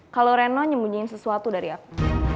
kalau reno nyembunyiin sesuatu dari aku